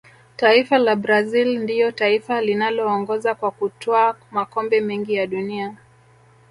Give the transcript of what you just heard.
taifa la brazil ndiyo taifa linaloongoza kwa kutwaa makombe mengi ya dunia